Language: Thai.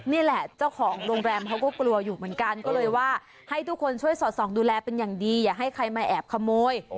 นี่แหละเจ้าของโรงแรมเขาก็กลัวอยู่เหมือนกันก็เลยว่าให้ทุกคนช่วยสอดส่องดูแลเป็นอย่างดีอย่าให้ใครมาแอบขโมย